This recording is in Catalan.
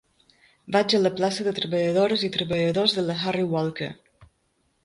Vaig a la plaça de Treballadores i Treballadors de la Harry Walker